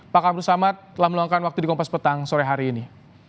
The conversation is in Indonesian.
pak abdul samad telah meluangkan waktu di kompas petang sore hari ini